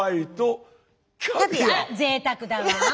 ぜいたくだわ。